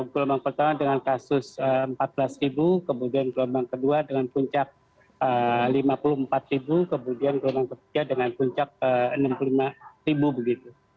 gelombang pertama dengan kasus empat belas kemudian gelombang kedua dengan puncak lima puluh empat ribu kemudian gelombang ketiga dengan puncak enam puluh lima ribu begitu